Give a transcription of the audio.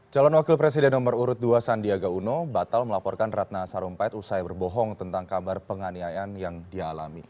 calon wakil presiden nomor urut dua sandiaga uno batal melaporkan ratna sarumpait usai berbohong tentang kabar penganiayaan yang dialami